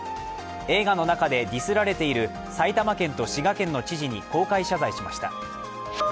映画の中でディスられている埼玉県と滋賀県の知事に公開謝罪しました。